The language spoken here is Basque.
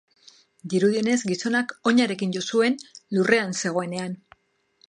Dirudienez, gizonak oinarekin jo zuen, lurrean zegoenean.